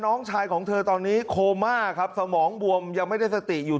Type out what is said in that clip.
น้องชายของเธอตอนนี้โคม่าครับสมองบวมยังไม่ได้สติอยู่